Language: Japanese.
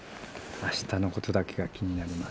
明日のことだけが気になります。